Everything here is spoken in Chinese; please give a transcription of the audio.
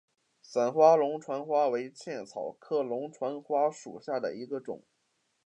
散花龙船花为茜草科龙船花属下的一个种。